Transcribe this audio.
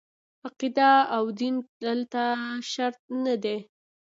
عقیده او دین دلته شرط نه دي.